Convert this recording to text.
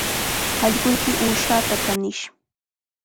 Allquyki uushaata kanish